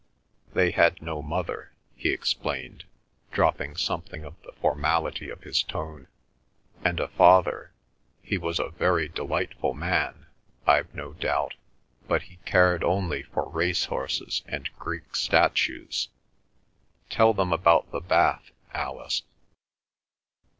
They had no mother," he explained, dropping something of the formality of his tone; "and a father—he was a very delightful man, I've no doubt, but he cared only for racehorses and Greek statues. Tell them about the bath, Alice."